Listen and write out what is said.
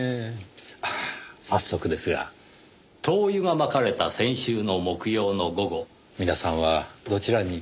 ああ早速ですが灯油が撒かれた先週の木曜の午後皆さんはどちらに？